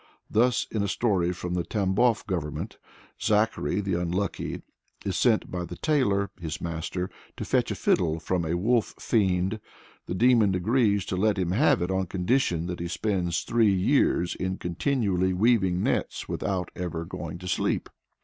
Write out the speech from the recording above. Thus in a story from the Tambof Government, Zachary the Unlucky is sent by the tailor, his master, to fetch a fiddle from a wolf fiend. The demon agrees to let him have it on condition that he spends three years in continually weaving nets without ever going to sleep.